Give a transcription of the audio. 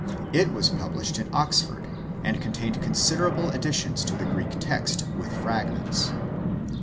It was published at Oxford, and contained considerable additions to the Greek text, with fragments.